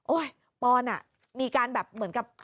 โอ้ยปรณ์น่ะมีการแบบเหมือนกับ